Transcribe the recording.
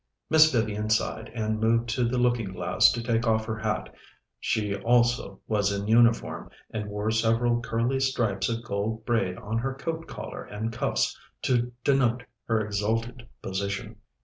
Miss Vivian sighed and moved to the looking glass to take off her hat. She also was in uniform, and wore several curly stripes of gold braid on her coat collar and cuffs to denote her exalted position.